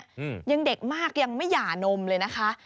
อืมยังเด็กมากยังไม่หย่านมเลยนะคะ